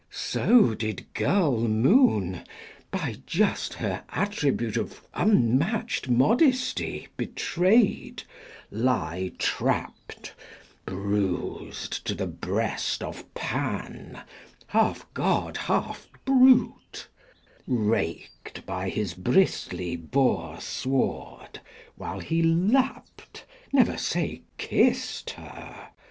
So did girl Moon, by just her attribute Of unmatched modesty betrayed, lie trapped, Bruised to the breast of Pan, half god half brute, Raked by his bristly boar sward while he lapped Never say, kissed her!